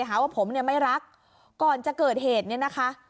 หาว่าผมเนี่ยไม่รักก่อนจะเกิดเหตุเนี่ยนะคะ